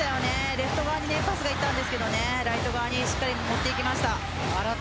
レフト側にもパスができましたがライト側にしっかり持っていきました。